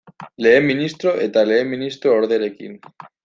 Lehen ministro eta lehen ministro orderekin.